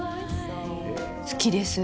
好きです。